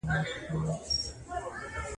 نن چي محتسب پر ګودرونو لنډۍ وچي کړې!.